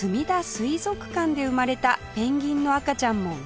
水族館で生まれたペンギンの赤ちゃんも人気